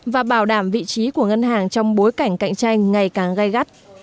và bảo đảm vị trí của ngân hàng trong bối cảnh cạnh tranh ngày càng gai gắt